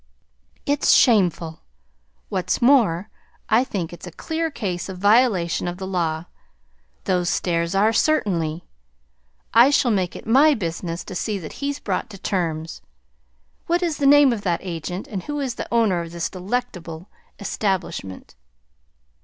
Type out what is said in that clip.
"It's shameful! What's more, I think it's a clear case of violation of the law; those stairs are, certainly. I shall make it my business to see that he's brought to terms. What is the name of that agent, and who is the owner of this delectable establishment?"